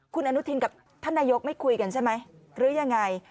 คุณอนุทินกับท่านนายกไม่คุยกันใช่ไหมหรือยังไง